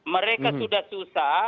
mereka sudah susah